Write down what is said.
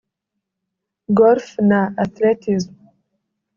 Golf na Athletism